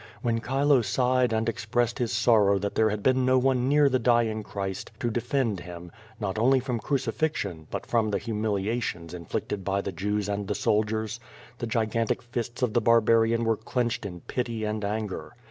When Chilo sighed and expressed his sor row that there had been no one near the dying Christ to defend him, not only from crucifixion, but from the humiliations infiicted by the Jews and the soldiers, the gigan tic fists of the barbarian were clenched in pity and angor.